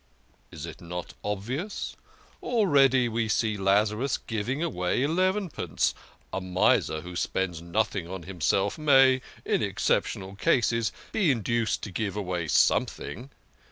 "" Is it not obvious ? Already we see Lazarus giving away elevenpence. A miser who spends nothing on himself may, in exceptional cases, be induced to give away something.